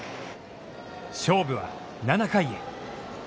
勝負は７回へ。